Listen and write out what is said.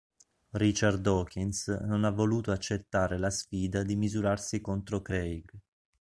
Richard Dawkins non ha voluto accettare la sfida di misurarsi contro Craig.